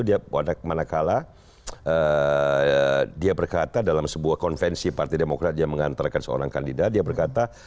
dia pada manakala dia berkata dalam sebuah konvensi partai demokrat dia mengantarkan seorang kandidat dia berkata